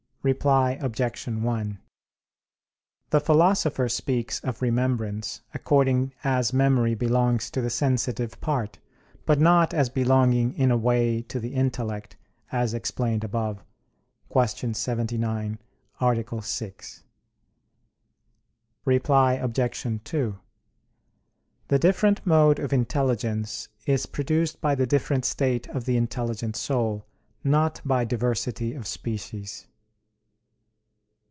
Reply Obj. 1: The Philosopher speaks of remembrance, according as memory belongs to the sensitive part, but not as belonging in a way to the intellect, as explained above (Q. 79, A. 6). Reply Obj. 2: The different mode of intelligence is produced by the different state of the intelligent soul; not by diversity of species.